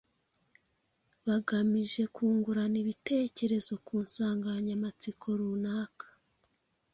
bagamije kungurana ibitekerezo ku nsanganyamatsiko runaka.